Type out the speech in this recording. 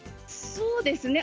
そうですね。